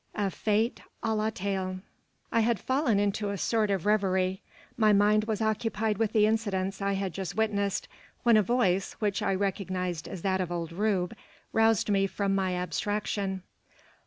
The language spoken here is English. A FEAT A LA TAIL. I had fallen into a sort of reverie. My mind was occupied with the incidents I had just witnessed, when a voice, which I recognised as that of old Rube, roused me from my abstraction.